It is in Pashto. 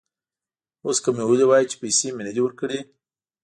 اوس که مې ویلي وای چې پیسې مې نه دي ورکړي.